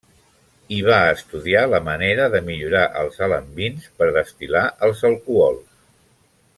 I va estudiar la manera de millorar els alambins per destil·lar els alcohols.